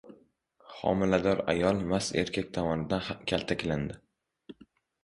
Homilador ayol mast erkak tomonidan kaltaklandi